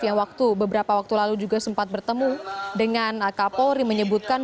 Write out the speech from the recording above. yang beberapa waktu lalu juga sempat bertemu dengan kapolri menyebutkan